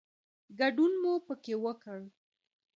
ګډون مو پکې وکړ.